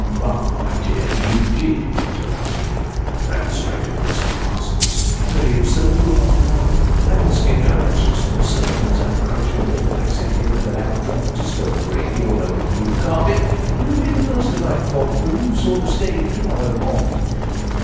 " But, my dear, you did interrupt me," remonstrated Mr. Parsons. " How very absurd you are, my love ! I must give directions to the servants ; I am quite sure that if I sat here and allowed John to spill the gravy over the new carpet, you'd be the first to find fault when you saw the stain to morrow morning."